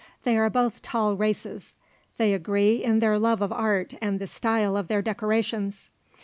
They are both tall races. They agree in their love of art and the style of their decorations.